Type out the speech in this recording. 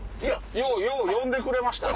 よう呼んでくれましたね